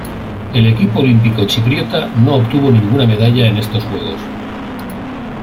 El equipo olímpico chipriota no obtuvo ninguna medalla en estos Juegos.